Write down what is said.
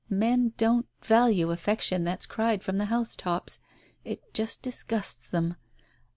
Men don't value affection that's cried from the house tops. It just disgusts them.